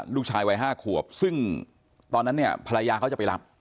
ลูกชายวัย๕ขวบซึ่งตอนนั้นเนี่ยภรรยาเขาจะไปรับ